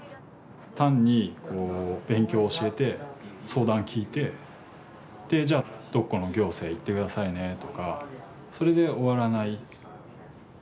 単にこう勉強教えて相談聞いてでじゃあどこの行政行って下さいねとかそれで終わらない。